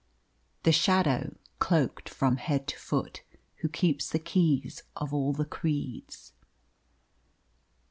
The shadow, cloaked from head to foot, Who keeps the keys of all the creeds.